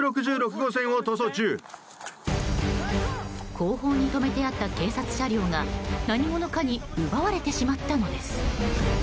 後方に止めてあった警察車両が何者かに奪われてしまったのです。